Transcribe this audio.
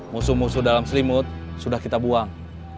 musuh musuh dalam selimut sudah kita buang